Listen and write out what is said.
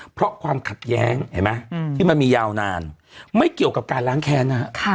เพราะความขัดแย้งเห็นไหมที่มันมียาวนานไม่เกี่ยวกับการล้างแค้นนะฮะ